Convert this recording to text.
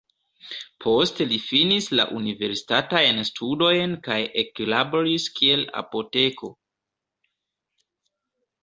Poste li finis la universitatajn studojn kaj eklaboris kiel apoteko.